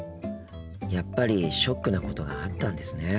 やっぱりショックなことがあったんですね。